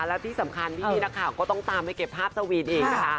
และที่สำคัญพี่นี่นะคะก็ต้องตามไปเก็บภาพสวีตเองนะคะ